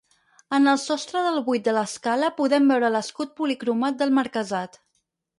En el sostre del buit de l'escala podem veure l'escut policromat del marquesat.